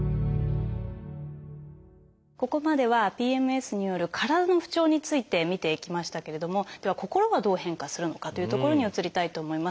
ここまではＰＭＳによる体の不調について見ていきましたけれどもでは心はどう変化するのかというところに移りたいと思います。